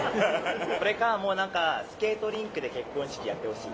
それか、もうなんかスケートリンクで結婚式やってほしい。